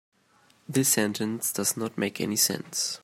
This sentence does not make any sense.